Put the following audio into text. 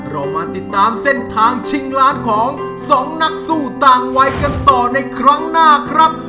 เรามาติดตามเส้นทางชิงล้านของสองนักสู้ต่างวัยกันต่อในครั้งหน้าครับ